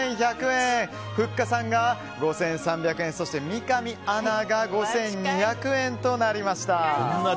ふっかさんが５３００円三上アナが５２００円となりました。